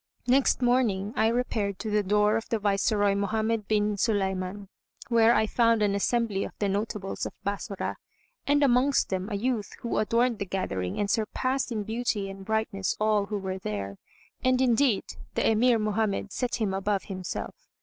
Next morning I repaired to the door of the Viceroy Mohammed bin Sulayman, where I found an assembly of the notables of Bassorah, and amongst them a youth who adorned the gathering and surpassed in beauty and brightness all who were there; and indeed the Emir Mohammed set him above himself.